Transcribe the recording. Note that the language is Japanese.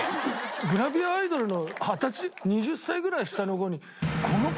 グラビアアイドルの２０歳ぐらい下の子に。